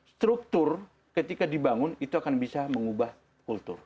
struktur ketika dibangun itu akan bisa mengubah kultur